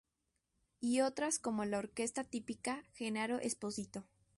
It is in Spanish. Y otras como la Orquesta Típica Gennaro Espósito.